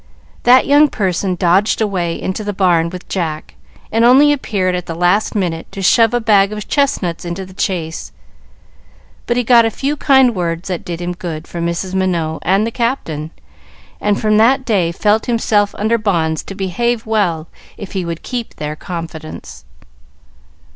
That young person dodged away into the barn with Jack, and only appeared at the last minute to shove a bag of chestnuts into the chaise. But he got a few kind words that did him good, from Mrs. Minot and the Captain, and from that day felt himself under bonds to behave well if he would keep their confidence.